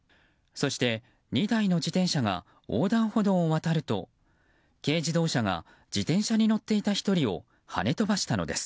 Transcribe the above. そして、２台の自転車が横断歩道を渡ると軽自動車が自転車に乗っていた１人をはね飛ばしたのです。